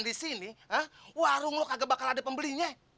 disini warung lo kagak bakal ada pembelinya